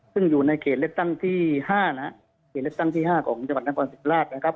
ซึ่งอยู่ในเขตเล็กตั้งที่ห้านะเขตเล็กตั้งที่ห้าของจังหวัดนครสิทธิ์ธรรมราชนะครับ